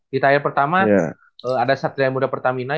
di tier pertama ada satya mudapertamina